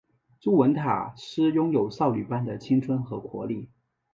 朱文塔斯拥有少女般的青春和活力。